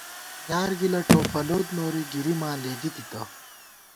یار گِلہ ٹوپَلوت نوری ، گِری ماں لېدِی تِتہ